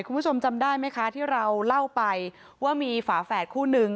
คุณผู้ชมจำได้ไหมคะที่เราเล่าไปว่ามีฝาแฝดคู่นึง